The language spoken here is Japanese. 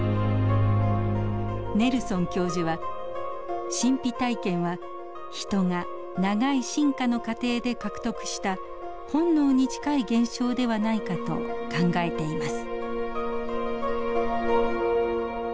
ネルソン教授は神秘体験は人が長い進化の過程で獲得した本能に近い現象ではないかと考えています。